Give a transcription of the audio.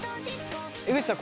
江口さん